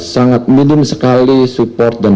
sangat minim sekali support dan